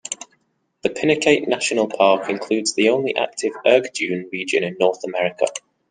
The Pinacate National Park includes the only active Erg dune region in North America.